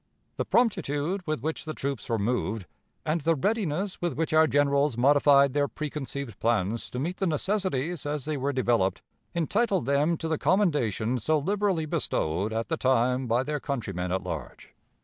The promptitude with which the troops moved, and the readiness with which our generals modified their preconceived plans to meet the necessities as they were developed, entitled them to the commendation so liberally bestowed at the time by their countrymen at large.